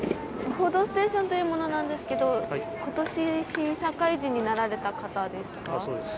「報道ステーション」というものなんですけど今年、新社会人になられた方ですか。